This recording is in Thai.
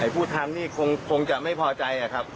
ผู้ทำนี่คงจะไม่พอใจครับ